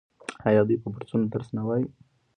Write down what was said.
آیا دوی په بورسونو درس نه وايي؟